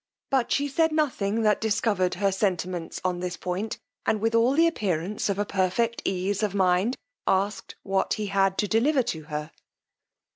But she said nothing that discovered her sentiments on this point, and with all the appearance of a perfect ease of mind, asked what he had to deliver to her.